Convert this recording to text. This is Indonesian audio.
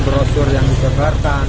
brosur yang disebarkan